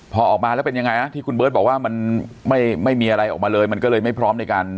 พอออกมาแล้วเป็นยังไงนะที่คุณเบิร์ตบอกว่ามันไม่มีอะไรออกมาเลยมันก็เลยไม่พร้อมในการ